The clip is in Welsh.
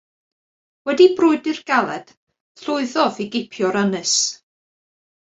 Wedi brwydr galed, llwyddodd i gipio'r ynys.